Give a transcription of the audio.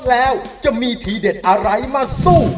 แล้วจะมีทีเด็ดอะไรมาสู้